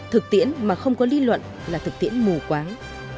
thực tiễn mà không có lý luận là thực tiễn mù quáng